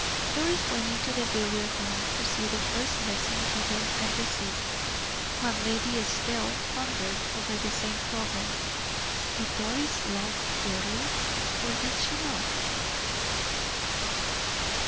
Doris went into the billiard room to see the first lesson given and received, while Lady Estelle pondered over the same problem did Doris love Earle, or did she not?